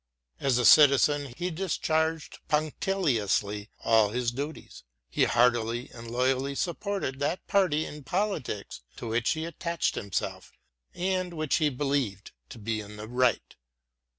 As a citizen he discharged punctiliously aU his duties; he heartily and loyally supported that party in politics to which he attached himself and which he believed to be in the right.